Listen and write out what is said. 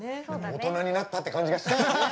大人になったって感じがしちゃうわね。